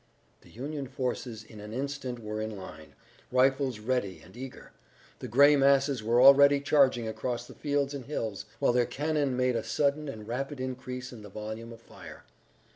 The Union forces in an instant were in line, rifles ready and eager. The gray masses were already charging across the fields and hills, while their cannon made a sudden and rapid increase in the volume of fire.